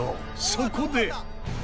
そこで。